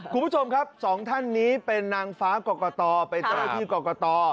คุณผู้ชมครับสองท่านนี้เป็นนางฟ้ากอกกะตอไปเจ้าที่กอกกะตอ